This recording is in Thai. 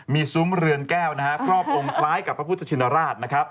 มีซุ้มเรือนแก้วครอบองคล้ายกับพระพุทธชนราช